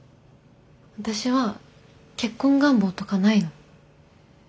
私は結婚願望とかないの。